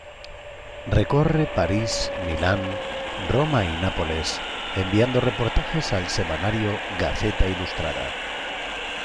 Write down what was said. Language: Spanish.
Recorre París, Milán, Roma y Nápoles, enviando reportajes al semanario Gaceta Ilustrada.